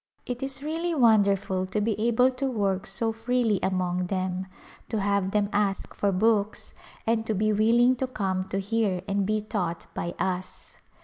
It is really wonderful to be able to work so freely among them, to have them ask for books, and to be willing to come to hear and be taught by us.